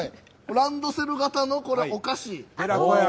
ランドセル型のお菓子。